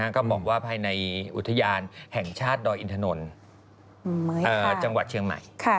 ก็บอกว่าภายในอุทยานแห่งชาติดอยอินถนนจังหวัดเชียงใหม่